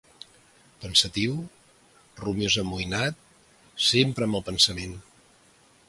Pensatiu, rumiós amoïnat, sempre amb el pensament